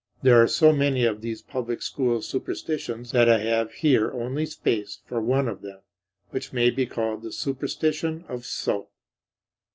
There are so many of these public school superstitions that I have here only space for one of them, which may be called the superstition of soap.